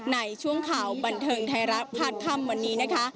ในช่วงข่าวบันเทิงไทยรัฐผ่านค่ำวันนี้นะคะ